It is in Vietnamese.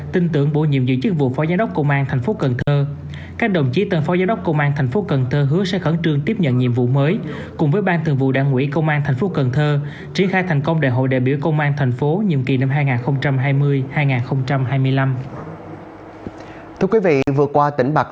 trường thổ thineo nguyễn thị marko bezster an viên bộ trưởng công an thành phố cần thơ đã lắng nghe non tình